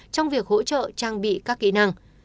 trong việc hỗ trợ trang bị các kỹ năng